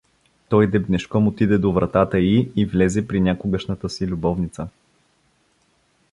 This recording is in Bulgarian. Той дебнешком отиде до вратата й и влезе при някогашната си любовница.